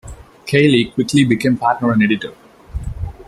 Cayley quickly became partner and editor.